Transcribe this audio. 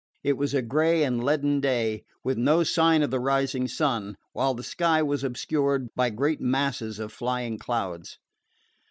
It was a gray and leaden day, with no signs of the rising sun, while the sky was obscured by great masses of flying clouds.